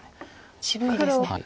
渋いですね。